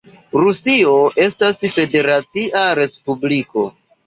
Rusio estas federacia respubliko.